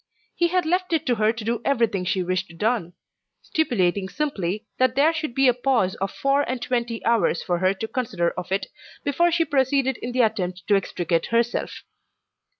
He had left it to her to do everything she wished done, stipulating simply that there should be a pause of four and twenty hours for her to consider of it before she proceeded in the attempt to extricate herself.